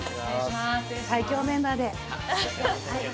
最強メンバー？